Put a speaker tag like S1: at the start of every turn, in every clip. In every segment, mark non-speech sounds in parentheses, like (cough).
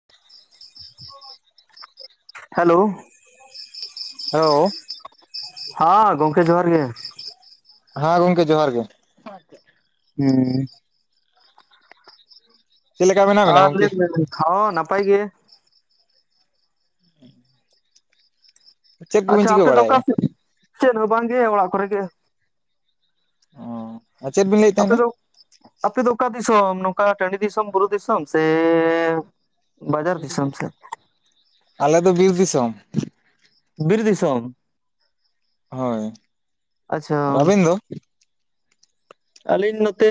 S1: (inaudible)
S2: Hello
S1: hello
S2: ᱦᱟᱸ ᱜᱚᱝᱠᱮ ᱡᱚᱦᱟᱨ ᱜᱮ ᱾
S1: ᱦᱮᱸ ᱜᱚᱝᱠᱮ ᱡᱚᱦᱟᱨ ᱜᱮ (unintelligible)
S2: ᱦᱩᱸ
S1: ᱪᱮᱫ ᱞᱮᱠᱟ ᱢᱮᱱᱟᱜ ᱵᱤᱱᱟ
S2: ᱟᱨ
S1: ᱜᱚᱝᱠᱮ
S2: ᱞᱟᱹᱭ (unintelligible) ᱠᱷᱟᱣ ᱱᱟᱯᱟᱭ ᱜᱮ
S1: ᱪᱮᱫ ᱠᱚᱵᱤᱱ
S2: ᱟᱪᱪᱷᱟ
S1: ᱪᱤᱠᱟᱹ
S2: ᱟᱯᱮ ᱫᱚ ᱚᱠᱟ
S1: ᱵᱟᱲᱟᱭᱮᱫᱼᱟ
S2: ᱥᱮᱫ ᱪᱮᱫ ᱦᱚᱸ ᱵᱟᱝᱜᱮ ᱚᱲᱟᱜ ᱠᱚᱨᱮ ᱜᱮ
S1: ᱟᱨ ᱪᱮᱫ ᱵᱤᱱ ᱞᱟᱹᱭ
S2: ᱟᱯᱮ ᱫᱚ ᱟᱯᱮ ᱫᱚ ᱚᱠᱟ ᱫᱤᱥᱚᱢ ᱱᱚᱝᱠᱟ ᱴᱟᱺᱰᱤ ᱫᱤᱥᱚᱢ ᱵᱩᱨᱩ ᱫᱤᱥᱚᱢ ᱥᱮ ᱵᱟᱡᱟᱨ ᱫᱤᱥᱚᱢ
S1: ᱟᱞᱮ ᱫᱚ ᱵᱤᱨ ᱫᱤᱥᱚᱢ
S2: ᱵᱤᱨ ᱫᱤᱥᱚᱢ
S1: ᱦᱳᱭ
S2: ᱟᱪᱪᱷᱟ
S1: ᱟᱨ ᱟᱵᱮᱱ ᱫᱚ
S2: ᱟᱹᱞᱤᱧ ᱱᱚᱛᱮ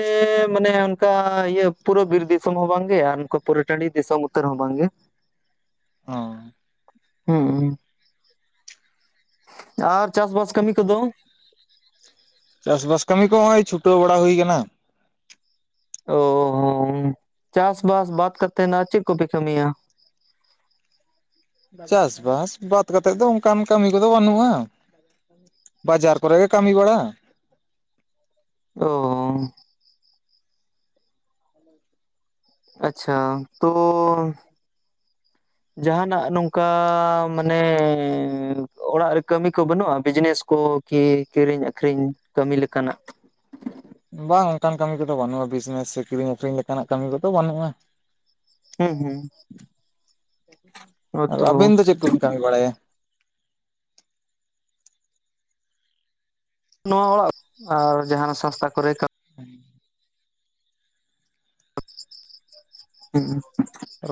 S2: ᱢᱟᱱᱮ ᱚᱱᱠᱟ ᱤᱭᱟᱹ ᱯᱩᱨᱟᱹ ᱵᱤᱨ ᱫᱤᱥᱚᱢ ᱦᱚᱸ ᱵᱟᱝ ᱜᱮ ᱟᱨ ᱱᱚᱠᱟ ᱯᱩᱨᱟᱹ ᱴᱟᱺᱰᱤ ᱫᱤᱥᱚᱢ ᱩᱛᱟᱹᱨ ᱦᱚᱸ ᱵᱟᱝ ᱜᱮ
S1: ᱚ
S2: ᱦᱩᱸ ᱟᱨ ᱪᱟᱥᱵᱟᱥ ᱠᱟᱹᱢᱤ ᱠᱚᱫᱚ
S1: ᱪᱟᱥᱵᱟᱥ ᱠᱟᱹᱢᱤ ᱠᱚ ᱦᱚᱸᱜᱼᱚᱭ ᱪᱷᱩᱴᱟᱹᱣ ᱵᱟᱲᱟ ᱦᱩᱭ ᱟᱠᱟᱱᱟ
S2: ᱚ ᱪᱟᱥ ᱵᱟᱥ ᱵᱟᱫᱽ ᱠᱟᱛᱮ ᱟᱨ ᱪᱮᱫ ᱠᱚᱯᱮ ᱠᱟᱹᱢᱤᱭᱟ
S1: ᱪᱟᱥᱵᱟᱥ ᱵᱟᱫᱽ ᱠᱟᱛᱮᱜ ᱫᱚ ᱚᱱᱠᱟᱱ ᱠᱟᱹᱢᱤ ᱠᱚᱫᱚ ᱵᱟᱹᱱᱩᱜ-ᱟ ᱵᱟᱡᱟᱨ ᱠᱚᱨᱮ ᱜᱮ ᱠᱟᱹᱢᱤ ᱵᱟᱲᱟ
S2: ᱚ ᱟᱪᱪᱷᱟ ᱛᱚ ᱡᱟᱦᱟᱱᱟᱜ ᱱᱚᱝᱠᱟ ᱢᱟᱱᱮ ᱚᱲᱟᱜ ᱨᱮ ᱠᱟᱹᱢᱤ ᱠᱚ ᱵᱟᱹᱱᱩᱜ-ᱟ ᱵᱤᱡᱽᱱᱮᱥ ᱠᱚ ᱠᱤ ᱠᱤᱨᱤᱧ ᱟᱹᱠᱷᱨᱤᱧ ᱠᱟᱹᱢᱤ ᱞᱮᱠᱟᱱᱟᱜ
S1: ᱵᱟᱝ ᱚᱱᱠᱟᱱ ᱠᱟᱹᱢᱤ ᱠᱚᱫᱚ ᱵᱟᱹᱱᱩᱜ-ᱟ ᱵᱤᱡᱽᱱᱮᱥ ᱥᱮ ᱠᱤᱨᱤᱧ ᱟᱠᱷᱨᱤᱧ ᱞᱮᱠᱟᱱᱟᱜ ᱠᱟᱹᱢᱤ ᱠᱚᱫᱚ ᱵᱟᱹᱱᱩᱜ-ᱟ
S2: ᱦᱮᱸ ᱦᱮᱸ
S1: ᱟᱫᱚ ᱟᱹᱵᱤᱱ ᱫᱚ ᱪᱮᱫ ᱠᱚᱵᱤᱱ ᱠᱟᱹᱢᱤ ᱵᱟᱲᱟᱭᱟ
S2: ᱱᱚᱣᱟ ᱚᱲᱟᱜ ᱟᱨ ᱡᱟᱦᱟ ᱥᱟᱥᱛᱟ ᱠᱚᱨᱮ ᱠᱟᱹᱢᱤ
S1: ᱦᱮᱸ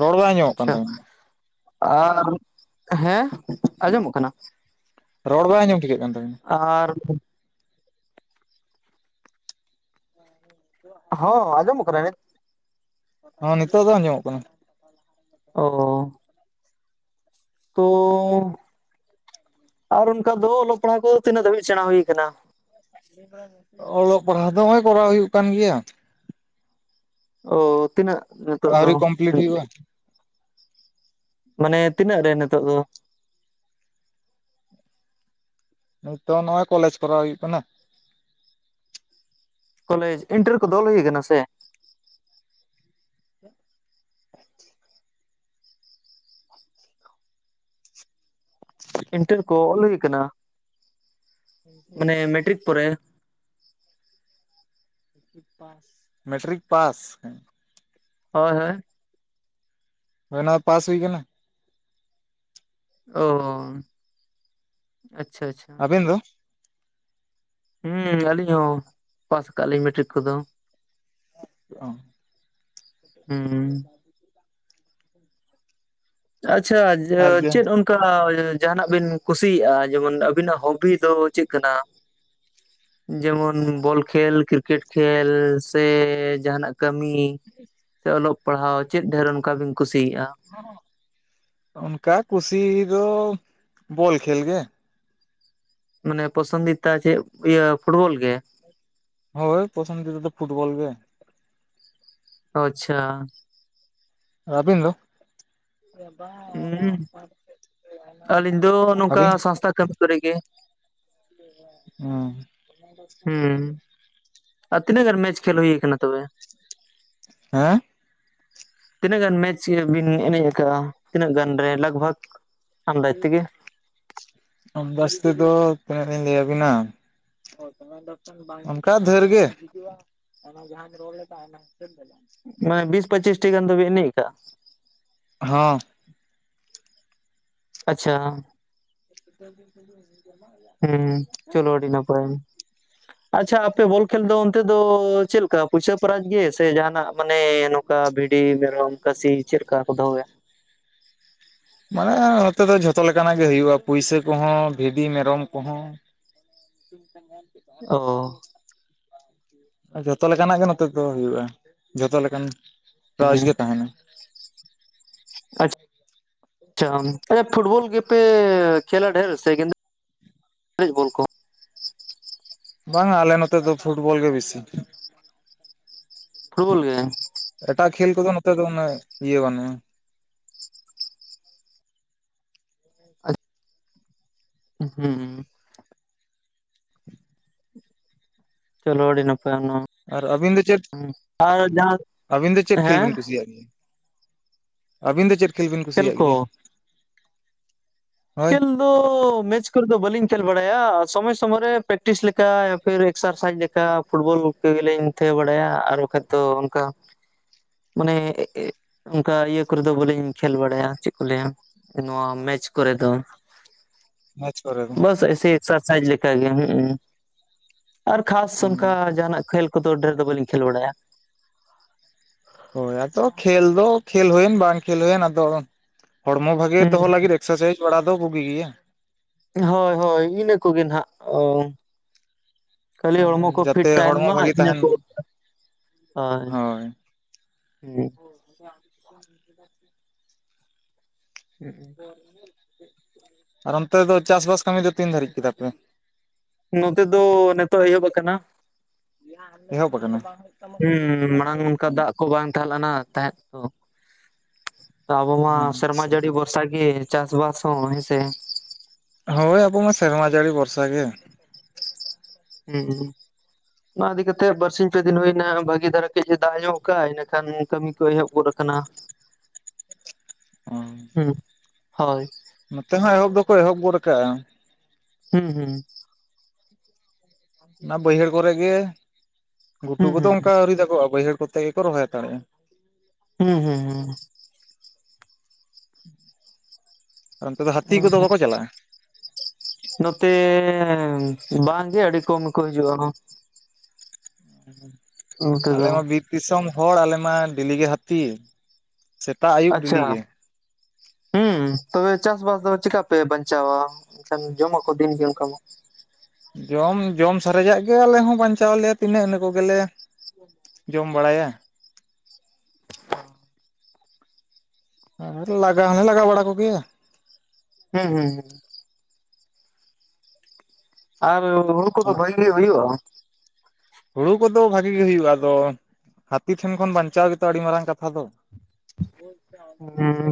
S1: ᱨᱚᱲ ᱵᱟᱭ ᱟᱸᱡᱚᱢᱚᱜ ᱠᱟᱱ
S2: ᱟᱪᱪᱷᱟ
S1: ᱛᱟᱵᱤᱱᱟ
S2: ᱟᱨ ᱦᱮᱸ ᱟᱸᱡᱚᱢᱚᱜ ᱠᱟᱱᱟ
S1: ᱨᱚᱲ ᱵᱟᱭ ᱟᱸᱡᱚᱢ ᱴᱷᱤᱠᱟᱹᱜ ᱠᱟᱱ ᱛᱟᱵᱤᱱᱟ
S2: ᱟᱨ ᱦᱚᱸ ᱟᱸᱡᱚᱢᱚᱜ ᱠᱟᱱᱟ ᱱᱤᱛ
S1: ᱦᱚᱸ ᱱᱤᱛᱳᱜ ᱫᱚ ᱟᱸᱡᱚᱢᱚᱜ ᱠᱟᱱᱟ
S2: ᱚ ᱛᱚ ᱟᱨ ᱚᱱᱠᱟ ᱫᱚ ᱚᱞᱚᱜ ᱯᱟᱲᱦᱟᱜ ᱠᱚ ᱛᱤᱱᱟᱹᱜ ᱫᱟᱹᱵᱤᱡ ᱥᱮᱬᱟ ᱦᱩᱭ ᱟᱠᱟᱱᱟ
S1: ᱚᱞᱚᱜ ᱯᱟᱲᱦᱟᱜ ᱫᱚ ᱱᱚᱜᱼᱚᱭ ᱠᱚᱨᱟᱣ ᱦᱩᱭᱩᱜ ᱠᱟᱱ ᱜᱮᱭᱟ
S2: ᱚ ᱛᱤᱱᱟᱹᱜ ᱱᱤᱛᱚᱜ ᱫᱚ
S1: ᱟᱹᱣᱨᱤ ᱠᱚᱢᱯᱞᱤᱴ ᱦᱩᱭᱩᱜᱼᱟ
S2: ᱢᱟᱱᱮ ᱛᱤᱱᱟᱹᱜ ᱨᱮ ᱱᱤᱛᱚᱜ ᱫᱚ
S1: ᱱᱤᱛᱚᱜ ᱱᱚᱜᱼᱚᱭ ᱠᱚᱞᱮᱡᱽ ᱠᱚᱨᱟᱣ ᱦᱩᱭᱩᱜ ᱠᱟᱱᱟ
S2: ᱠᱚᱞᱮᱡᱽ ᱤᱱᱴᱟᱨ ᱠᱚ ᱫᱚ ᱦᱩᱭ ᱠᱟᱱᱟ ᱥᱮ
S1: (inaudible) (inaudible)
S2: ᱤᱱᱴᱟᱨ ᱠᱚ ᱚᱞ ᱦᱩᱭ ᱟᱠᱟᱱᱟ ᱢᱟᱱᱮ ᱢᱮᱴᱨᱤᱠ ᱯᱚᱨᱮ
S1: ᱢᱮᱴᱨᱤᱠ ᱯᱟᱥ
S2: ᱦᱳᱭ ᱦᱳᱭ
S1: ᱦᱳᱭ ᱚᱱᱟ ᱫᱚ ᱯᱟᱥ ᱦᱩᱭ ᱟᱠᱟᱱᱟ
S2: ᱚ ᱟᱪᱪᱷᱟ ᱟᱪᱪᱷᱟ
S1: ᱟᱵᱤᱱ ᱫᱚ
S2: ᱦᱩᱸ ᱟᱹᱞᱤᱧ ᱦᱚᱸ ᱯᱟᱥ ᱠᱟᱜ ᱞᱤᱧ ᱢᱮᱴᱨᱤᱠ ᱠᱚᱫᱚ
S1: ᱚ
S2: ᱦᱩᱸ ᱟᱪᱪᱷᱟ
S1: ᱟᱨ ᱡᱮ
S2: ᱪᱮᱫ ᱟᱢ ᱠᱟ ᱡᱟᱦᱟᱸ ᱱᱟᱜ ᱵᱤᱱ ᱠᱩᱥᱤᱭᱟᱜᱼᱟ ᱡᱮᱢᱚᱱ ᱟᱵᱤᱱᱟᱜ ᱦᱚᱵᱤ ᱫᱚ ᱪᱮᱫ ᱠᱟᱱᱟ
S1: (inaudible)
S2: ᱡᱮᱢᱚᱱ ᱵᱚᱞ ᱠᱷᱮᱞ ᱠᱨᱤᱠᱮᱴ ᱠᱷᱮᱞ ᱥᱮ ᱡᱟᱦᱟᱸᱱᱟᱜ ᱠᱟᱹᱢᱤ ᱥᱮ ᱚᱞᱚᱜ ᱯᱟᱲᱦᱟᱣ ᱪᱮᱫ ᱰᱷᱮᱨ ᱚᱱᱠᱟ ᱵᱤᱱ ᱠᱩᱥᱤᱭᱟᱜᱼᱟ
S1: ᱚᱱᱠᱟ ᱠᱩᱥᱤ ᱫᱚ ᱵᱚᱞ ᱠᱷᱮᱞ ᱜᱮ
S2: ᱢᱟᱱᱮ ᱯᱚᱥᱚᱱᱫᱤᱛᱟ ᱪᱮᱫ ᱤᱭᱟᱹ ᱯᱷᱩᱴᱵᱚᱞ ᱜᱮ
S1: ᱦᱳᱭ ᱯᱚᱥᱚᱱ ᱫᱤᱛᱟ ᱫᱚ ᱯᱷᱩᱴᱵᱚᱞ ᱜᱮ
S2: ᱚᱟᱪᱪᱷᱟ
S1: ᱟᱵᱤᱱ ᱫᱚ
S2: ᱦᱩᱸ ᱟᱹᱞᱤᱧ ᱫᱚ ᱱᱚᱝᱠᱟ
S1: ᱟᱹᱵᱤᱱ
S2: ᱥᱟᱥᱛᱷᱟ ᱠᱟᱹᱢᱤ ᱠᱚᱨᱮ ᱜᱮ
S1: ᱚ
S2: ᱦᱩᱸ ᱟᱨ ᱛᱤᱱᱟᱹᱜ ᱜᱟᱱ ᱢᱮᱪ ᱠᱷᱮᱞ ᱦᱩᱭ ᱠᱟᱱᱟ ᱛᱚᱵᱮ
S1: ᱦᱮᱸ
S2: ᱛᱤᱱᱟᱹᱜ ᱜᱟᱱ ᱢᱮᱪ ᱵᱤᱱ ᱮᱱᱮᱡ ᱠᱟᱜᱼᱟ ᱛᱤᱱᱟᱹᱜ ᱜᱟᱱ ᱨᱮ ᱞᱟᱜ ᱵᱷᱟᱜᱽ
S1: ᱟᱱᱫᱟᱪ ᱛᱮᱫᱚ ᱛᱤᱱᱟᱹᱜ ᱞᱤᱧ ᱞᱟᱹᱭ ᱟᱵᱤᱱᱟ ᱯᱮᱢᱮᱱᱴ ᱫᱚ ᱮᱠᱷᱚᱱ ᱵᱟᱝ ᱦᱤᱡᱩᱜ ᱟ ᱚᱱᱟ ᱡᱟᱸᱦᱟᱢ ᱨᱚᱲ ᱞᱮᱫᱟ
S2: ᱢᱟ ᱵᱤᱥ ᱯᱚᱸᱪᱤᱥᱴᱤ ᱜᱟᱱ ᱫᱚ ᱵᱮᱱ ᱮᱱᱮᱡ ᱠᱟᱜᱼᱟ
S1: ᱦᱚᱸ
S2: ᱟᱪᱪᱷᱟ
S1: (inaudible)
S2: ᱦᱩᱸ ᱪᱚᱞᱚ ᱟᱹᱰᱤ ᱱᱟᱯᱟᱭ ᱟᱪᱪᱷᱟ ᱟᱯᱮ ᱵᱚᱞ ᱠᱷᱮᱞ ᱫᱚ ᱚᱱᱛᱮ ᱫᱚ ᱪᱮᱫ ᱞᱮᱠᱟ ᱯᱩᱭᱥᱟᱹ ᱯᱮᱨᱟᱤᱡ ᱜᱮ ᱥᱮ ᱡᱟᱦᱟᱸᱱᱟᱜ ᱢᱟᱱᱮ ᱱᱚᱝᱠᱟ ᱵᱷᱤᱰᱤ ᱢᱮᱨᱚᱢ ᱠᱟᱹᱥᱤ ᱪᱮᱫ ᱠᱟ ᱠᱚ ᱫᱚᱦᱚᱭᱟ
S1: (inaudible) ᱢᱟᱱᱮ ᱱᱚᱛᱮ ᱫᱚ ᱡᱷᱚᱛᱚ ᱞᱮᱠᱟᱱᱟᱜ ᱜᱮ ᱦᱩᱭᱩᱜᱼᱟ ᱯᱩᱭᱥᱟᱹ ᱠᱚᱦᱚᱸ ᱵᱷᱤᱰᱤ ᱢᱮᱨᱚᱢ ᱠᱚᱦᱚᱸ
S2: ᱚ
S1: (inaudible) ᱡᱷᱚᱛᱚ ᱞᱮᱠᱟᱱᱟᱜ ᱜᱮ ᱱᱚᱛᱮ ᱫᱚ ᱦᱩᱭᱩᱜᱼᱟ ᱡᱷᱚᱛᱚ ᱞᱮᱠᱟᱱ ᱯᱨᱟᱭᱤᱡᱽ
S2: ᱦᱩᱸ
S1: ᱜᱮ ᱛᱟᱦᱮᱱᱟ
S2: ᱟᱪ ᱪᱟ ᱟᱪᱪᱷᱟ ᱯᱷᱩᱴᱵᱚᱞ ᱜᱮ ᱯᱮ ᱠᱷᱮᱞᱟ ᱰᱷᱹᱮᱨ ᱥᱮ (unintelligible) ᱵᱚᱞ ᱠᱚ
S1: ᱵᱟᱝ ᱟ ᱟᱞᱮ ᱱᱚᱛᱮ ᱫᱚ ᱯᱷᱩᱴᱵᱚᱞ ᱜᱮ ᱵᱤᱥᱤ
S2: ᱯᱷᱩᱴᱵᱚᱞ ᱜᱮ
S1: ᱮᱴᱟᱜ ᱠᱷᱮᱞ ᱠᱚᱫᱚ ᱱᱚᱛᱮ ᱫᱚ ᱩᱱᱟᱹᱜ ᱤᱭᱟᱹ ᱵᱟᱹᱱᱩᱜᱼᱟ
S2: ᱩ ᱦᱩᱸ ᱪᱚᱞᱚ ᱟᱹᱰᱤ ᱱᱟᱯᱟᱭᱟ ᱱᱚᱣᱟ
S1: ᱟᱨ ᱟᱹᱵᱤᱱ ᱫᱚ ᱪᱮᱫ
S2: ᱟᱨ ᱡᱟᱸ
S1: ᱟᱹᱵᱤᱱ ᱫᱚ ᱪᱮᱫ
S2: ᱦᱮᱸ
S1: (unintelligible) ᱟᱹᱵᱤᱱ ᱫᱚ ᱪᱮᱫ ᱠᱷᱮᱞ ᱵᱤᱱ ᱠᱩᱥᱤᱭᱟᱜ ᱜᱮᱭᱟ ᱦᱳᱭ
S2: ᱠᱷᱮᱞ ᱫᱚ ᱢᱮᱪ ᱠᱚᱨᱮ ᱫᱚ ᱵᱟᱹᱞᱤᱧ ᱠᱷᱮᱞ ᱵᱟᱲᱟᱭᱟ ᱥᱚᱢᱚᱭ ᱥᱚᱢᱚᱭ ᱨᱮ ᱯᱮᱠᱴᱤᱥ ᱞᱮᱠᱟ ᱯᱷᱮᱨ ᱮᱠᱥᱟᱨᱥᱟᱭᱤᱡᱽ ᱞᱮᱠᱟ ᱯᱷᱩᱴᱵᱚᱞ ᱠᱚᱜᱮᱞᱤᱧ ᱛᱷᱟᱹᱭᱟᱹ ᱵᱟᱲᱟᱭᱟ ᱟᱨ ᱵᱟᱠᱷᱟᱡ ᱫᱚ ᱚᱱᱠᱟ
S1: (inaudible)
S2: ᱢᱟᱱᱮ ᱮ-ᱮ ᱚᱱᱠᱟ ᱤᱭᱟᱹ ᱠᱚᱨᱮ ᱫᱚ ᱵᱟᱹᱞᱤᱧ ᱠᱷᱮᱞ ᱵᱟᱲᱟᱭᱟ ᱪᱮᱫ ᱠᱚ ᱞᱟᱹᱭᱟ ᱱᱚᱣᱟ ᱢᱮᱪ ᱠᱚᱨᱮ ᱫᱚ
S1: ᱢᱮᱪ ᱠᱚᱨᱮ ᱫᱚ
S2: ᱵᱟᱥ ᱮᱥᱮ ᱮᱠᱥᱟᱨ ᱥᱟᱭᱤᱡᱽ ᱞᱮᱠᱟᱜ ᱜᱮ ᱦᱩᱸ ᱩᱸ ᱟᱨ ᱠᱷᱟᱥ ᱚᱱᱠᱟ
S1: ᱦᱩᱸ
S2: ᱡᱟᱦᱟᱱᱟᱜ ᱠᱷᱮᱞ ᱠᱚᱫᱚ ᱰᱷᱮᱨ ᱫᱚ ᱵᱟᱹᱞᱤᱧ ᱠᱷᱮᱞ ᱵᱟᱲᱟᱭᱟ
S1: ᱦᱳᱭ ᱟᱫᱚ ᱠᱷᱮᱞ ᱫᱚ ᱠᱷᱮᱞ ᱦᱳᱭᱮᱱ ᱵᱟᱝ ᱠᱷᱮᱞ ᱦᱳᱭᱮᱱ ᱟᱫᱚ ᱦᱚᱲᱢᱚ ᱵᱷᱟᱜᱮ
S2: ᱦᱩᱸ
S1: ᱫᱚᱦᱚ ᱞᱟᱹᱜᱤᱫ ᱮᱠᱥᱟᱥᱟᱭᱤᱡ ᱵᱟᱲᱟ ᱫᱚ ᱵᱩᱜᱤ ᱜᱮᱭᱟ
S2: ᱦᱚᱭ ᱦᱚᱭ ᱤᱱᱟᱹ ᱠᱚᱜᱮ ᱱᱟᱦᱟᱜ ᱚᱻ ᱠᱷᱟᱹᱞᱤ ᱦᱚᱲᱢᱚ ᱠᱚ ᱯᱷᱤᱴ
S1: ᱡᱟᱛᱮ
S2: ᱛᱟᱦᱮᱱ
S1: ᱦᱚᱲᱢᱚ
S2: ᱢᱟ
S1: ᱵᱷᱟᱜᱤ
S2: ᱤᱱᱟᱹ
S1: ᱛᱟᱦᱮᱱ
S2: ᱠᱚ
S1: ᱢᱟ᱾
S2: ᱦᱚᱭ
S1: ᱦᱳᱭ
S2: ᱦᱩᱸ
S1: (inaudible)
S2: ᱦᱩᱸᱜ ᱩ
S1: ᱟᱨ ᱚᱱᱛᱮ ᱫᱚ ᱪᱟᱥ ᱵᱟᱥ ᱠᱟᱹᱢᱤ ᱫᱚ ᱛᱤᱱ ᱫᱷᱟᱹᱨᱤᱡ ᱠᱮᱫᱟ ᱯᱮ
S2: ᱱᱚᱛᱮ ᱫᱚ ᱱᱤᱛᱚᱜ ᱮᱦᱚᱵ ᱠᱟᱱᱟ᱾
S1: ᱮᱦᱚᱵ ᱠᱟᱱᱟ
S2: ᱦᱩᱸ ᱢᱟᱲᱟᱝ ᱚᱱᱠᱟ ᱫᱟᱜ ᱠᱚ ᱵᱟᱝ ᱛᱟᱦᱮ ᱞᱮᱱᱟ ᱛᱟᱦᱮᱸᱫ ᱛᱚ ᱟᱵᱚ ᱢᱟ ᱥᱮᱨᱢᱟ
S1: ᱟᱪᱪᱷᱟ
S2: ᱡᱟᱹᱲᱤ ᱵᱷᱚᱨ ᱵᱷᱚᱨᱥᱟᱜᱮ ᱪᱟᱥ ᱵᱟᱥ ᱦᱚᱸ ᱦᱸ, ᱻ ᱥᱮ᱾
S1: ᱦᱳᱭ ᱟᱵᱚ ᱢᱟ ᱥᱮᱨᱢᱟ ᱡᱟᱹᱲᱤ ᱵᱷᱚᱨᱥᱟ ᱜᱮ᱾
S2: ᱦᱩᱸᱻ ᱩᱸᱻ᱾ ᱚᱱᱟ ᱤᱫᱤ ᱠᱟᱛᱮᱫ ᱵᱟᱨᱥᱤᱧ ᱯᱮ ᱫᱤᱱ ᱦᱩᱭᱱᱟ, ᱵᱷᱟᱹᱜᱤ ᱫᱷᱟᱨᱟ ᱠᱟᱹᱡ ᱮ ᱫᱟᱜ ᱧᱚᱜ ᱠᱟᱜ-ᱟ᱾ ᱤᱱᱟᱹ ᱠᱷᱟᱱ ᱠᱟᱹᱢᱤ ᱠᱚ ᱮᱦᱚᱵ ᱜᱚᱫ ᱠᱟᱱᱟ
S1: (inaudible) ᱚ
S2: ᱦᱩᱸᱻ ᱦᱳᱭᱻ᱾
S1: ᱱᱚᱛᱮ ᱦᱚᱸ ᱮᱦᱚᱵ ᱫᱚᱠᱚ ᱮᱦᱚᱵ ᱜᱚᱫ ᱠᱟᱜ-ᱟ᱾
S2: ᱦᱩᱸᱻ ᱦᱩᱸᱻ᱾
S1: ᱚᱱᱟ ᱵᱟᱹᱭᱦᱟᱹᱲ ᱠᱚᱨᱮ ᱜᱮ ᱜᱷᱩᱴᱩ
S2: ᱦᱩᱸ
S1: ᱠᱚᱫᱚ ᱚᱝᱠᱟ ᱟᱹᱣᱨᱤ ᱫᱟᱜᱚᱜ-ᱟ᱾ ᱵᱟᱹᱭᱦᱟᱹᱲ ᱠᱚᱛ ᱛᱮᱜᱮ ᱠᱚ ᱨᱚᱦᱚᱭ ᱦᱟᱛᱟᱲᱮᱜ-ᱟ᱾
S2: ᱦᱩᱸᱻ ᱦᱩᱸᱻ ᱦᱩᱸᱻ᱾
S1: ᱚᱱᱛᱮ ᱫᱚ ᱦᱟᱹᱛᱤ ᱠᱚᱫᱚ ᱵᱟᱠᱚ ᱪᱟᱞᱟᱜ-ᱟ?
S2: ᱱᱚᱛᱮᱻ ᱵᱟᱝᱜᱮ ᱟᱹᱰᱤ ᱠᱚᱢ ᱜᱮ ᱠᱚ ᱦᱤᱡᱩᱜ-ᱟ᱾ ᱱᱚᱛᱮ ᱫᱚ
S1: ᱟᱞᱮᱢᱟ ᱵᱤᱨ ᱫᱤᱥᱚᱢ ᱦᱚᱲ ᱟᱞᱮᱢᱟ ᱰᱮ ᱞᱤ ᱜᱮ ᱦᱟᱹᱛᱤ᱾ ᱥᱮᱛᱟᱜ ᱟᱹᱭᱩᱵ
S2: ᱟᱪᱪᱷᱟ
S1: ᱰᱮᱞᱤ ᱜᱮ
S2: ᱦᱩᱸ ᱛᱚᱵᱮ ᱪᱟᱥᱵᱟᱥ ᱫᱚ ᱪᱤᱠᱟ ᱯᱮ ᱵᱟᱧᱪᱟᱣ-ᱟ? ᱮᱱᱠᱷᱟᱱ ᱡᱚᱢᱟ ᱠᱚ ᱫᱤᱱᱜᱮ ᱚᱱᱠᱟ ᱢᱟ᱾
S1: ᱡᱚᱢ ᱡᱚᱢ ᱥᱟᱨᱮᱡᱟᱜ ᱜᱮ ᱟᱞᱮ ᱦᱚᱸ ᱵᱟᱧᱪᱟᱣ ᱟᱞᱮᱭᱟ ᱛᱤᱱᱟᱹᱜ ᱤᱱᱟᱹ ᱠᱚᱜᱮᱞᱮ ᱡᱚᱢ ᱵᱟᱲᱟᱭᱟ᱾ ᱟᱨ ᱞᱟᱜᱟ ᱦᱚᱞᱮ ᱞᱟᱜᱟ ᱵᱟᱲᱟ ᱠᱚᱜᱮᱭᱟ᱾
S2: ᱦᱩᱸᱻ ᱦᱩᱸᱻ ᱦᱩᱸᱻ᱾ ᱟᱨ ᱦᱩᱲᱩ ᱠᱚᱫᱚ ᱵᱷᱟᱹᱜᱤ ᱜᱤ ᱦᱩᱭᱩᱜ-ᱟ ᱾
S1: ᱦᱩᱲᱩ ᱠᱚᱫᱚ ᱵᱷᱟᱜᱤ ᱜᱤ ᱦᱩᱭᱩᱜ-ᱟ᱾ ᱟᱫᱚ ᱦᱟᱹᱛᱤ ᱴᱷᱮᱱ ᱠᱷᱚᱱ ᱵᱟᱧᱪᱟᱣ ᱜᱮᱛᱚ ᱟᱹᱰᱤ ᱢᱟᱨᱟᱝ ᱠᱟᱛᱷᱟ ᱫᱚ᱾
S2: ᱦᱩᱸ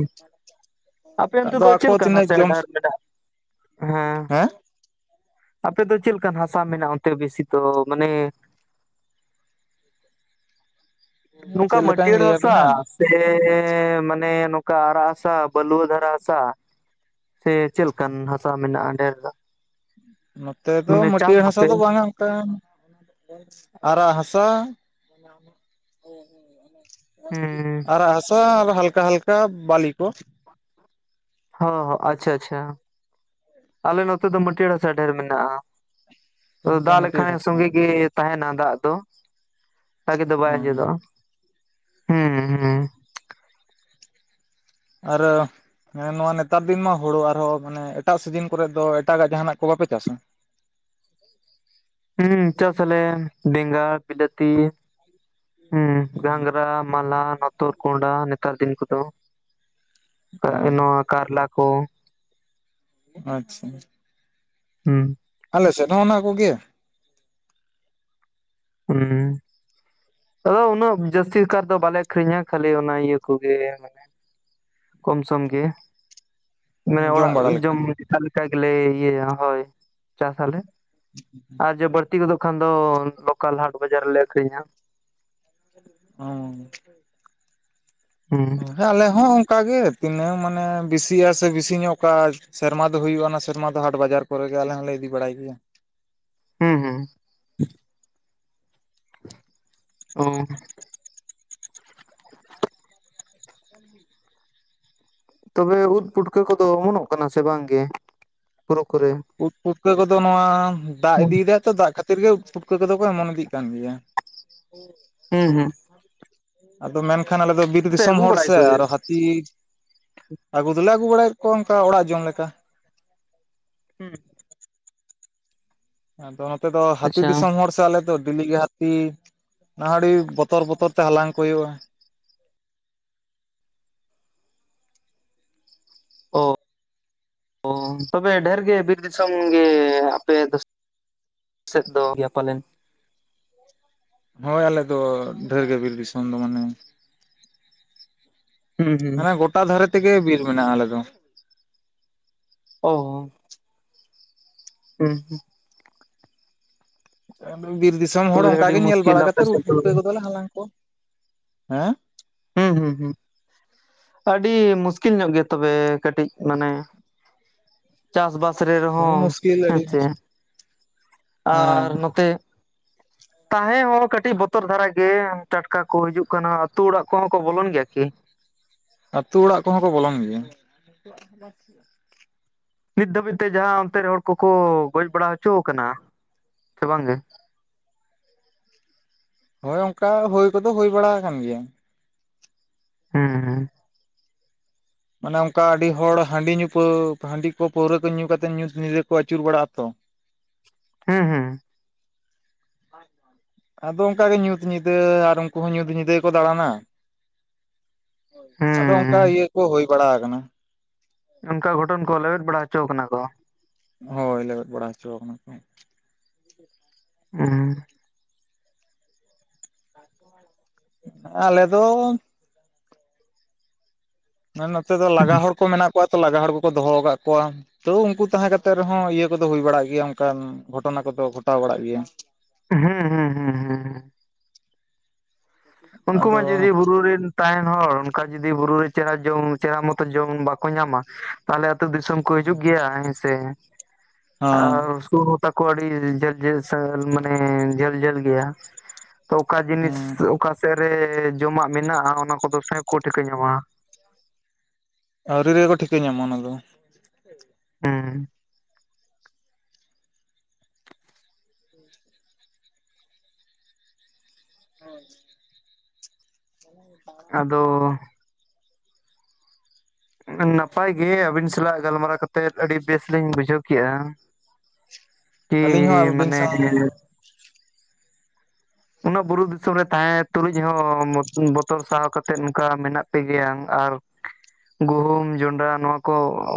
S2: ᱟᱯᱮ ᱚᱱᱛᱮ
S1: ᱟᱫᱚ
S2: ᱫᱚ
S1: ᱟᱠᱚ
S2: ᱪᱮᱫ ᱞᱮᱠᱟᱱ
S1: ᱛᱤᱱᱟᱹᱜ
S2: ᱦᱟᱥᱟ
S1: ᱡᱚᱢ
S2: ᱰᱟᱦᱟᱨ ᱢᱮᱱᱟᱜᱼᱟ ᱦᱮᱸ-᱾ ᱟᱯᱮ ᱫᱚ ᱪᱮᱞᱠᱟᱱ ᱦᱟᱥᱟ ᱢᱮᱱᱟᱜ-ᱟ, ᱚᱱᱛᱮ ᱵᱮᱥᱤ ᱛᱚ ᱢᱟᱱᱮ ᱱᱚᱝᱠᱟ
S1: ᱪᱮᱫ ᱞᱮᱠᱟᱧ
S2: ᱢᱟᱹᱴᱭᱟᱹᱬ ᱦᱟᱥᱟ
S1: ᱞᱟᱹᱭᱟᱵᱤᱱᱟ
S2: ᱥᱮᱻ ᱢᱟᱱᱮ ᱱᱚᱠᱟ ᱟᱨᱟᱜ ᱦᱟᱥᱟ, ᱵᱟᱹᱞᱩᱣᱟᱹ ᱫᱷᱟᱨᱟ ᱦᱟᱥᱟ ᱥᱮ ᱪᱮᱞᱠᱟᱱ ᱦᱟᱥᱟ ᱢᱮᱱᱟᱜ-ᱟ ᱰᱷᱮᱨ ᱫᱚ?
S1: ᱱᱚᱛᱮ ᱫᱚ
S2: ᱢᱟᱱᱮ ᱪᱟᱥ
S1: ᱢᱟᱹᱴᱭᱟᱹᱲ ᱦᱟᱥᱟ
S2: ᱫᱚᱯᱮ
S1: ᱵᱟᱝᱼᱟ᱾ ᱴᱟᱝ ᱟᱨᱟᱜ ᱦᱟᱥᱟ
S2: ᱦᱩᱸ
S1: ᱟᱨᱟᱜ ᱦᱟᱥᱟ ᱟᱨ ᱦᱟᱞᱠᱟ ᱦᱟᱞᱠᱟ ᱵᱟᱞᱤ ᱠᱚ᱾
S2: ᱚᱻ ᱟᱪᱪᱷᱟᱻ ᱟᱪᱪᱷᱟᱻ ᱟᱞᱮ ᱱᱚᱛᱮ ᱫᱚ ᱢᱟᱹᱴᱭᱟᱹᱲ ᱦᱟᱥᱟ ᱰᱷᱮᱨ ᱢᱮᱱᱟᱜᱼᱟ᱾ ᱟ ᱫᱟᱜ
S1: ᱢᱟᱹᱴᱭᱟᱹᱲ
S2: ᱞᱮᱠᱷᱟᱱ
S1: ᱦᱟᱥᱟ
S2: ᱥᱚᱸᱜᱮ ᱜᱮ ᱛᱟᱦᱮᱱᱟ ᱫᱟᱜ ᱫᱚ᱾ ᱵᱷᱟᱜᱮ ᱫᱚ ᱵᱟᱭ
S1: ᱦᱚᱸ
S2: ᱟᱸᱡᱮᱫᱚᱜᱼᱟ, ᱦᱩᱸᱻ ᱦᱩᱸᱻ᱾
S1: ᱟᱨ ᱮᱸ ᱱᱚᱣᱟ ᱱᱮᱛᱟᱨ ᱫᱤᱱ ᱢᱟ ᱦᱳᱲᱳ, ᱟᱨᱦᱚᱸ ᱢᱟᱱᱮ ᱮᱴᱟᱜ ᱥᱤᱡᱤᱱ ᱠᱚᱨᱮ ᱫᱚ ᱮᱴᱟᱜᱟᱜ ᱡᱟᱦᱟᱱᱟᱜ ᱠᱚ ᱵᱟᱯᱮ ᱪᱟᱥᱼᱟ?
S2: ᱦᱩᱸᱻ ᱪᱟᱥ ᱟᱞᱮ ᱵᱮᱸᱜᱟᱲ, ᱵᱤᱞᱟᱹᱛᱤ ᱦᱩᱸ ᱜᱟᱝᱽᱨᱟ, ᱢᱟᱞᱦᱟᱱ, ᱦᱚᱛᱚᱫ, ᱠᱚᱱᱰᱷᱟ, ᱱᱮᱛᱟᱨ ᱫᱤᱱ ᱠᱚᱫᱚ᱾
S1: ᱦᱮᱸ
S2: ᱱᱚᱣᱟ ᱠᱟᱨᱞᱟ ᱠᱚ᱾
S1: ᱟᱪᱪᱷᱟᱻ᱾
S2: ᱦᱮᱸᱻ᱾
S1: ᱟᱞᱮ ᱥᱮᱫ ᱦᱚᱸ ᱚᱱᱟ ᱠᱚᱜᱮ ᱾
S2: ᱦᱮᱸᱻ᱾ ᱟᱫᱚ ᱩᱱᱟᱹᱜ ᱡᱟᱹᱥᱛᱤ ᱠᱟᱨ ᱫᱚ ᱵᱟᱞᱮ ᱟᱠᱷᱨᱤᱧᱟ ᱠᱷᱟᱹᱞᱤ ᱚᱱᱟ ᱤᱭᱟᱹ ᱠᱚᱜᱮ᱾ ᱠᱚᱢᱥᱚᱢ ᱜᱮ ᱢᱟᱱᱮ ᱚᱲᱟᱜ
S1: ᱵᱟᱲᱟ ᱞᱮᱠᱟ
S2: ᱡᱚᱢ ᱟᱨ ᱞᱮᱠᱟ ᱜᱮᱞᱮ ᱤᱭᱟᱹ ᱦᱳᱭ ᱪᱟᱥᱞᱮ ᱟᱨ ᱡᱟ ᱵᱟᱲᱛᱤ ᱵᱟᱲᱛᱤ ᱜᱚᱫᱚᱜ ᱠᱷᱟᱱ ᱫᱚ ᱞᱚᱠᱟᱞ ᱦᱟᱴ ᱵᱟᱡᱟᱨ ᱨᱮᱞᱮ ᱟᱠᱷᱨᱤᱧᱟ
S1: ᱚ
S2: ᱦᱩᱸ
S1: ᱟᱞᱮ ᱦᱚᱸ ᱚᱱᱠᱟᱜ ᱜᱮ ᱛᱤᱱᱟᱹᱜ ᱢᱟᱱᱮ ᱵᱮᱥᱤᱜᱼᱟ ᱥᱮ ᱵᱤᱥᱤ ᱧᱚᱜ ᱠᱟᱜ ᱥᱮᱨᱢᱟ ᱫᱚ ᱦᱩᱭᱩᱜᱼᱟ ᱥᱮᱨᱢᱟ ᱫᱚ ᱦᱟᱴ ᱵᱟᱡᱟᱨ ᱠᱚᱨᱮᱜᱮ ᱟᱞᱮ ᱦᱚᱸᱞᱮ ᱤᱫᱤ ᱵᱟᱲᱟᱭ ᱜᱮᱭᱟ
S2: ᱦᱩᱸ ᱦᱩᱸ ᱚ
S1: ᱦ (unintelligible)
S2: ᱛᱚᱵᱮ ᱩᱫ ᱯᱩᱴᱠᱟᱹ ᱠᱚᱫᱚ ᱚᱢᱚᱱᱚᱜ ᱠᱟᱱᱟ ᱥᱮ ᱵᱟᱝ ᱜᱮ ᱵᱩᱨᱩ ᱠᱚᱨᱮ
S1: ᱩᱫ ᱯᱩᱴᱠᱟᱹ ᱠᱚᱫᱚ ᱱᱚᱣᱟ ᱫᱟᱜ
S2: ᱦᱩᱸ
S1: ᱤᱫᱤᱭᱮᱫᱟᱭ ᱛᱚ ᱫᱟᱜ ᱠᱷᱟᱹᱛᱤᱨ ᱜᱮ ᱩᱫ ᱯᱩᱴᱠᱟᱹ ᱠᱚᱫᱚ ᱠᱚ ᱮᱢᱚᱱ ᱤᱫᱤᱜ ᱠᱟᱱ ᱜᱮᱭᱟ
S2: ᱦᱩᱸ
S1: ᱟᱫᱚ ᱢᱮᱱᱠᱷᱟᱱ ᱟᱞᱮ ᱫᱚ ᱵᱤᱨ
S2: ᱯᱮ
S1: ᱫᱤᱥᱚᱢ
S2: ᱟᱹᱜᱩ
S1: ᱦᱚᱲ
S2: ᱵᱟᱲᱟᱭ
S1: ᱥᱮ
S2: ᱠᱚᱜᱮᱭᱟ
S1: ᱦᱛ ᱛᱤ ᱟᱹᱜᱩ ᱫᱚᱞᱮ ᱟᱹᱜᱩ ᱵᱟᱲᱟᱭᱮᱫ ᱠᱚᱣᱟ ᱚᱱᱠᱟ ᱚᱲᱟᱜ ᱡᱚᱢ ᱞᱮᱠᱟ
S2: ᱦᱩᱸ
S1: ᱟᱫᱚ ᱱᱚᱛᱮ ᱫᱚ ᱦᱟᱹᱛᱤ
S2: ᱟᱪᱪᱷᱟ
S1: ᱫᱤᱥᱚᱢ ᱦᱚᱲ ᱱᱚᱛᱮ ᱟᱞᱮ ᱫᱚ ᱰᱮᱞᱤᱜ ᱜᱤ ᱦᱟᱹᱛᱤ ᱱᱟᱦᱟᱜ ᱵᱚᱛᱚᱨ ᱵᱚᱛᱚᱨ ᱛᱮ ᱦᱟᱞᱟᱝ ᱠᱚ ᱦᱩᱭᱩᱜᱼᱟ
S2: ᱚ ᱛᱚᱵᱮ ᱰᱷᱮᱨ ᱜᱤ ᱵᱤᱨ ᱫᱤᱥᱚᱢ ᱜᱤ ᱟᱯᱮ ᱫᱚ ᱥᱮᱫ ᱫᱚ ᱜᱮᱭᱟ ᱯᱟᱞᱮᱱ
S1: ᱦᱳᱭ ᱟᱞᱮ ᱫᱚ ᱰᱷᱮᱨ ᱜᱮ ᱵᱤᱨ ᱫᱤᱥᱚᱢ ᱫᱚ ᱢᱟᱱᱮ
S2: ᱦᱩᱸ ᱦᱩᱸ
S1: ᱢᱟᱱᱮ ᱜᱚᱴᱟ ᱫᱷᱟᱨᱮ ᱛᱮᱜᱮ ᱵᱤᱨ ᱢᱮᱱᱟᱜᱼᱟ ᱟᱞᱮ ᱫᱚ
S2: ᱚ ᱦᱩᱸ ᱦᱩᱸ
S1: ᱵᱤᱨ ᱫᱤᱥᱚᱢ ᱦᱚᱲ
S2: ᱛᱚᱵᱮ
S1: ᱚᱱᱠᱟᱟᱜ
S2: ᱟᱹᱰᱤ
S1: ᱜᱮ ᱧᱮᱞ
S2: ᱢᱩᱥᱠᱤᱞ
S1: ᱵᱟᱲᱟ
S2: ᱟᱯᱮ
S1: ᱠᱟᱛᱮ ᱩᱫ
S2: ᱥᱮᱫ ᱫᱚ
S1: ᱯᱷᱩᱠᱟᱹ ᱜᱚᱫᱚᱞᱮ ᱦᱟᱞᱟᱝ ᱠᱚ ᱦᱮᱸ
S2: ᱦᱩᱸ ᱦᱩᱸ ᱦᱩᱸ ᱟᱹᱰᱤ ᱢᱩᱥᱠᱤᱞ ᱧᱚᱜ ᱜᱮ ᱛᱚᱵᱮ ᱠᱟᱹᱴᱤᱡ ᱢᱟᱱᱮ ᱪᱟᱥᱵᱟᱥ ᱨᱮ
S1: ᱦᱳᱭ
S2: ᱨᱮᱦᱚᱸ
S1: ᱢᱩᱥᱠᱤᱞ
S2: ᱦᱮᱸ
S1: ᱟᱹᱰᱤ
S2: ᱪᱮ
S1: ᱢᱩᱥᱠᱤᱞ ᱦᱚᱸ
S2: ᱟᱨ ᱱᱚᱛᱮ ᱛᱟᱦᱮᱸ ᱦᱚᱸ ᱠᱟᱹᱴᱤᱡ ᱵᱚᱛᱚᱨ ᱫᱷᱟᱨᱟᱜ ᱜᱮ ᱴᱟᱴᱠᱟ ᱠᱚ ᱦᱤᱡᱩᱜ ᱠᱟᱱᱟ ᱟ ᱟᱹᱛᱩ ᱚᱲᱟᱜ ᱠᱚᱦᱚᱸ ᱠᱚ ᱵᱚᱞᱚᱱ ᱜᱮᱭᱟ ᱠᱤ
S1: ᱟᱹᱛᱩ ᱚᱲᱟᱜ ᱠᱚᱦᱚᱸ ᱠᱚ ᱵᱚᱞᱚᱱ ᱜᱮᱭᱟ
S2: ᱱᱤᱛ ᱫᱷᱟᱹᱵᱤᱡ ᱛᱮ ᱡᱟᱦᱟᱸ ᱚᱱᱛᱮ ᱨᱮᱱ ᱦᱚᱲ ᱠᱚᱠᱚ ᱜᱚᱡ ᱵᱟᱲᱟ ᱦᱚᱪᱚ ᱟᱠᱟᱱᱟ ᱥᱮ ᱵᱟᱝ ᱜᱤ
S1: ᱦᱳᱭ ᱚᱱᱠᱟ ᱦᱩᱭ ᱠᱚᱫᱚ ᱦᱩᱭ ᱵᱟᱲᱟ ᱟᱠᱟᱱ ᱜᱮᱭᱟ
S2: ᱦᱩᱸ ᱦᱩᱸ
S1: ᱢᱟᱱᱮ ᱚᱱᱠᱟ ᱟᱹᱰᱤ ᱦᱚᱲ ᱦᱟᱺᱰᱤ ᱧᱩ ᱯᱟᱹᱣ ᱦᱟᱺᱰᱤ ᱠᱚ ᱯᱟᱹᱣᱨᱟᱹ ᱠᱚ ᱧᱩ ᱠᱟᱛᱮᱮᱫ ᱧᱩᱛ ᱧᱤᱫᱟᱹ ᱠᱚ ᱟᱹᱪᱩᱨ ᱵᱟᱲᱟᱜ ᱟᱛᱚ
S2: ᱦᱩᱸ ᱦᱩᱸ
S1: (inaudible) ᱟᱫᱚ ᱚᱱᱠᱟ ᱜᱮ ᱧᱩᱛ ᱧᱤᱫᱟᱹ ᱟᱨ ᱩᱱᱠᱩ ᱦᱚᱸ ᱧᱩᱛ ᱧᱤᱫᱟᱹ ᱜᱮᱠᱚ ᱫᱟᱬᱟᱱᱟ ᱟᱫᱚ ᱚᱱᱠᱟ
S2: ᱦᱩᱸ
S1: ᱤᱭᱟᱹ ᱠᱚ ᱦᱩᱭ ᱵᱟᱲᱟ ᱟᱠᱟᱱᱟ
S2: ᱚᱱᱠᱟ ᱜᱷᱚᱴᱚᱱ ᱠᱚ ᱞᱮᱵᱮᱫ ᱵᱟᱲᱟ ᱦᱚᱪᱚ ᱠᱟᱱᱟ ᱠᱚ
S1: ᱦᱚᱭ ᱞᱮᱵᱮᱫ ᱵᱟᱲᱟ ᱦᱚᱪᱚ ᱟᱠᱟᱱᱟ ᱠᱚ
S2: ᱦᱩᱸ ᱦᱩᱸ
S1: (inaudible) ᱟᱞᱮ ᱫᱚ ᱟᱨ ᱱᱚᱛᱮ ᱫᱚ ᱞᱟᱜᱟ ᱦᱚᱲ ᱠᱚ ᱢᱮᱱᱟᱜ ᱠᱚᱣᱟ ᱛᱚ ᱞᱟᱜᱟ ᱦᱚᱲ ᱠᱚᱠᱚ ᱫᱚᱦᱚ ᱟᱠᱟᱫ ᱠᱚᱣᱟ ᱛᱚ ᱩᱱᱠᱩ ᱛᱟᱦᱮᱸ ᱠᱟᱛᱮᱜ ᱨᱮᱦᱚᱸ ᱤᱭᱟᱹ ᱠᱚᱫᱚ ᱦᱩᱭ ᱵᱟᱲᱟᱜ ᱜᱮᱭᱟ ᱚᱱᱠᱟᱱ ᱜᱷᱚᱴᱚᱱᱟ ᱠᱚᱫᱚ ᱜᱷᱚᱴᱟᱣ ᱵᱟᱲᱟᱜ ᱜᱮᱭᱟ
S2: ᱦᱩᱸᱻ ᱦᱩᱸ ᱦᱩᱸ ᱦᱩᱸ ᱦᱩᱸ ᱩᱱᱠᱩ
S1: ᱟᱫᱚ
S2: ᱢᱟ ᱡᱤᱫᱤ ᱵᱩᱨᱩ ᱨᱤᱱ ᱛᱟᱦᱮᱱ ᱦᱚᱲ ᱚᱱᱠᱟ ᱡᱩᱫᱤ ᱵᱩᱨᱩ ᱨᱮ ᱪᱮᱬᱮ ᱡᱚᱢ ᱪᱮᱦᱨᱟ ᱢᱚᱛᱚ ᱡᱚᱢ ᱵᱟᱠᱚ ᱧᱟᱢᱟ ᱛᱟᱦᱞᱮ ᱟᱹᱛᱩ ᱫᱤᱥᱚᱢ ᱠᱚ ᱦᱤᱡᱩᱜ ᱜᱮᱭᱟ ᱦᱮᱸᱥᱮ
S1: ᱦᱮᱸ
S2: ᱟᱨ ᱥᱩᱨ ᱦᱚᱸ ᱛᱟᱠᱚ ᱟᱹᱰᱤ ᱡᱷᱟᱹᱞ ᱡᱷᱟᱹᱞ ᱥᱟᱹᱞ ᱢᱟᱱᱮ ᱡᱷᱟᱹᱞ ᱡᱷᱟᱹᱞ ᱜᱮᱭᱟ ᱛᱚ ᱚᱠᱟ ᱡᱤᱱᱤᱥ
S1: ᱦᱮᱸ
S2: ᱚᱠᱟ ᱥᱮᱫ ᱨᱮ ᱡᱚᱢᱟᱜ ᱢᱮᱱᱟᱜᱼᱟ ᱚᱱᱟ ᱠᱚᱫᱚ ᱥᱟᱵ ᱠᱚ ᱴᱷᱤᱠᱟᱹ ᱧᱟᱢᱟ
S1: ᱟᱹᱣᱨᱤ ᱨᱮᱜᱮ ᱠᱚ ᱴᱷᱤᱠᱟᱹ ᱧᱟᱢᱚᱜᱼᱟ ᱚᱱᱟ ᱫᱚ
S2: ᱦᱮᱸ
S1: (unintelligible) (unintelligible) (unintelligible)
S2: ᱟᱫᱚ ᱱᱟᱯᱟᱭ ᱜᱮ ᱟᱹᱵᱤᱱ ᱥᱟᱞᱟᱜ ᱜᱟᱞᱢᱟᱨᱟᱣ ᱠᱟᱛᱮᱜ ᱟᱹᱰᱤ ᱵᱮᱥ ᱞᱤᱧ ᱵᱩᱡᱷᱟᱹᱣ ᱠᱮᱜᱼᱟ ᱠᱤ
S1: ᱟᱹᱞᱤᱧ ᱦᱚᱸ ᱟᱵᱤᱱ
S2: ᱢᱟᱱᱮ
S1: ᱥᱟᱶ
S2: ᱩᱱᱟᱹᱜ ᱵᱩᱨᱩ ᱫᱤᱥᱚᱢ ᱨᱮ ᱛᱟᱦᱮᱸ ᱛᱩᱞᱩᱡ ᱦᱚᱸ ᱵᱚᱛᱚᱨ ᱥᱟᱦᱟᱣ ᱠᱟ ᱛᱮᱫ ᱱᱚᱝᱠᱟ ᱢᱮᱱᱟᱜ ᱯᱮᱜᱮᱭᱟ ᱟᱨ ᱜᱩᱦᱩᱢ ᱡᱚᱸᱰᱨᱟ ᱱᱚᱣᱟ ᱠᱚ ᱚ